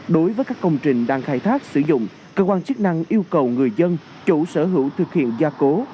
đối với các công trình đang khai thác sử dụng cơ quan chức năng yêu cầu người dân chủ sở hữu thực hiện gia cố